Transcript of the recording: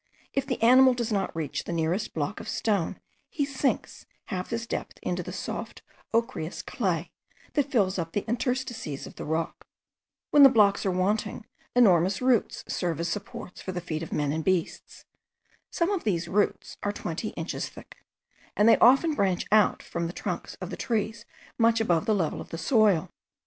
If the animal does not reach the nearest block of stone, he sinks half his depth into the soft ochreous clay, that fills up the interstices of the rock. When the blocks are wanting, enormous roots serve as supports for the feet of men and beasts. Some of these roots are twenty inches thick, and they often branch out from the trunks of the trees much above the level of the soil.